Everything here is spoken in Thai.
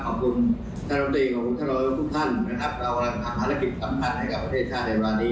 ขอบคุณท่านตลอดีก็ขอบคุณท่านโดยทุกท่าน